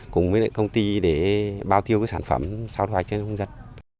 cùng với lại công ty để bao tiêu sản phẩm sau thu hoạch